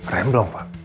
rem belum pak